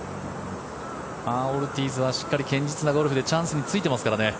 オルティーズはしっかり堅実なゴルフでチャンスにつけてますからね。